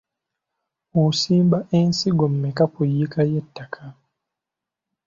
Osimba ensigo mmeka ku yiika y'ettaka?